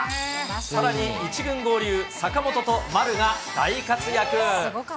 さらに１軍合流、坂本と丸が大活躍。